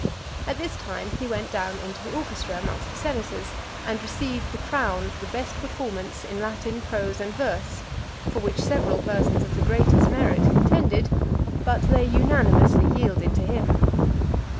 At this time he went down into the orchestra amongst the senators, and received the crown for the best performance in Latin prose and verse, for which several persons of the greatest merit contended, but they unanimously yielded to him.